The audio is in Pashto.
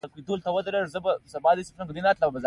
له کومې ستونزې ورسېدله.